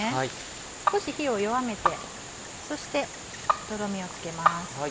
少し火を弱めてそしてとろみをつけます。